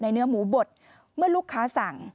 เนื้อหมูบดเมื่อลูกค้าสั่ง